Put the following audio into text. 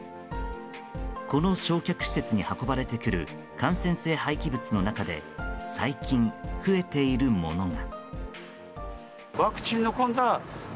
この焼却施設に運ばれてくる感染性廃棄物の中で最近、増えているものが。